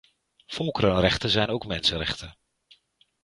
Volkerenrechten zijn ook mensenrechten.